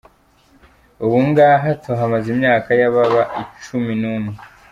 Ubu ngaha tuhamaze imyaka yababa cumi n'umwe.